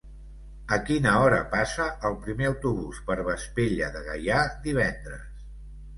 A quina hora passa el primer autobús per Vespella de Gaià divendres?